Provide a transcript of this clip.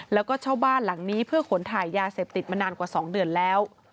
แล้วก็เช่าบ้านหลังนี้เพื่อขนถ่ายยาเสพติดมานานกว่า๒เดือนแล้ว